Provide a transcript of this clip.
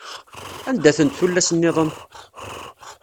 Anda-tent tullas-nniḍen?